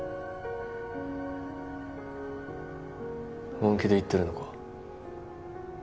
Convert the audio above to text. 本気で言ってるのか？